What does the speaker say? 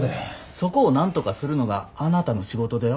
そこをなんとかするのがあなたの仕事では？